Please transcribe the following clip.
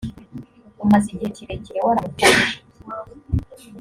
umaze igihe kirekire waramufashe